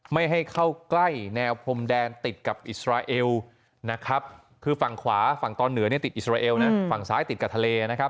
ไม่ให้เข้าใกล้แนวพรมแดนติดกับอิสราเอลนะครับคือฝั่งขวาฝั่งตอนเหนือเนี่ยติดอิสราเอลนะฝั่งซ้ายติดกับทะเลนะครับ